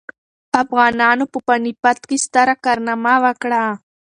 افغانانو په پاني پت کې ستره کارنامه وکړه.